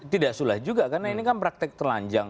tidak sulit juga karena ini kan praktek telanjang